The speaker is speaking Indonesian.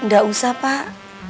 enggak usah pak